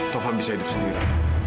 tovan bisa hidup sendiri